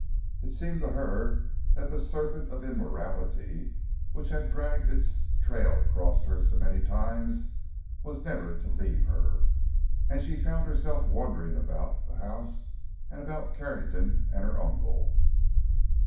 It seemed to her that the serpent of immorality which had dragged its trail across hers so many times was never to leave her, and she found herself wondering about the house and about Carrington and her uncle.